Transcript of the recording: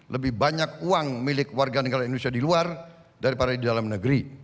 lebih banyak uang milik warga negara indonesia di luar daripada di dalam negeri